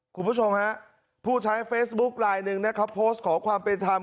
คุณผู้ชมฮะผู้ใช้เฟซบุ๊คไลน์หนึ่งนะครับโพสต์ขอความเป็นธรรม